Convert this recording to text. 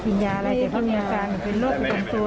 กินยาอะไรเจ้าเพื่อนมีอาการเป็นโรคหลักตันตัว